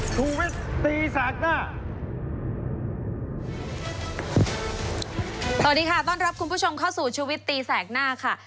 สวัสดีค่ะต้อนรับคุณผู้ชมเข้าสู่ชูวิตตีแสกหน้าค่ะ